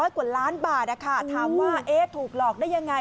กว่าล้านบาทถามว่าถูกหลอกได้ยังไง